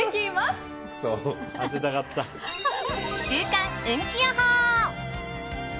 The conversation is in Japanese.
週間運気予報。